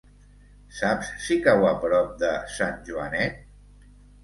Saps si cau a prop de Sant Joanet?